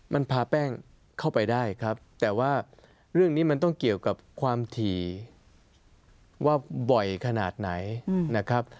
มันพาแป้งเข้าไปได้ครับแต่ว่าเรื่องนี้มันต้องเกี่ยวกับความถี่ว่าบ่อยขนาดไหนนะครับ